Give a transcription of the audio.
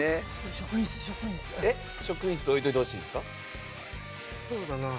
職員室置いておいてほしいですか？